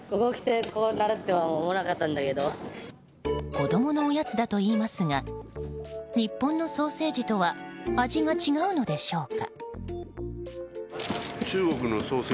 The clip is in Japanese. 子供のおやつだと言いますが日本のソーセージとは味が違うのでしょうか？